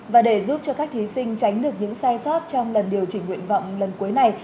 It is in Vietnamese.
và để giúp cho các thí sinh tránh được những sai sót trong lần điều chỉnh nguyện vọng lần cuối này